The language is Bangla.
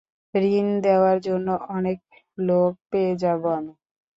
ঋণ দেওয়ার জন্য অনেক লোক পেয়ে যাবো আমি।